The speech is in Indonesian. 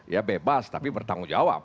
ya bebas tapi bertanggung jawab